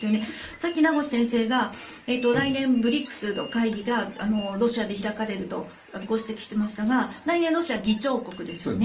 さっき名越先生が来年ＢＲＩＣＳの会議がロシアで開かれるとご指摘していましたが来年、ロシアは議長国ですよね。